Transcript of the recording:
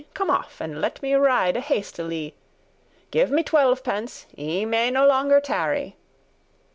Come off, and let me ride hastily; Give me twelvepence, I may no longer tarry."